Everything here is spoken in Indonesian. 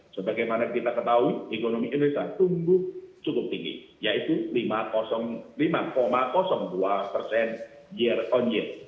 sebagaimana kita ketahui ekonomi indonesia tumbuh cukup tinggi yaitu lima dua persen year on year